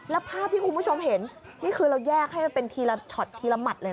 แล้วภาพที่คุณผู้ชมเห็นนี่คือเราแยกให้มันเป็นทีละช็อตทีละหมัดเลยนะ